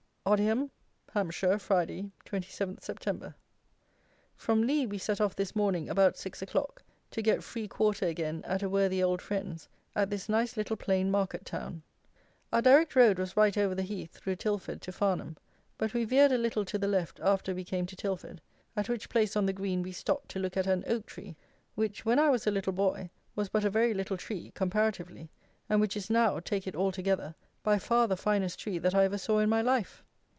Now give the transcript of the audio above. Odiham, Hampshire, Friday, 27 Sept. From Lea we set off this morning about six o'clock to get free quarter again at a worthy old friend's at this nice little plain market town. Our direct road was right over the heath through Tilford to Farnham; but we veered a little to the left after we came to Tilford, at which place on the Green we stopped to look at an oak tree, which, when I was a little boy, was but a very little tree, comparatively, and which is now, take it altogether, by far the finest tree that I ever saw in my life.